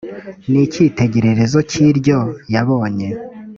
n icyitegererezo cy iryo yabonye